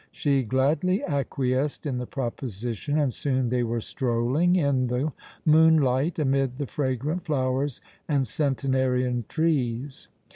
She gladly acquiesced in the proposition and soon they were strolling in the moonlight amid the fragrant flowers and centenarian trees.